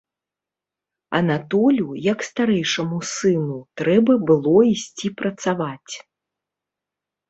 Анатолю, як старэйшаму сыну, трэба было ісці працаваць.